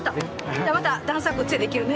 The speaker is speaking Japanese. じゃあまたダンスはこっちでできるね。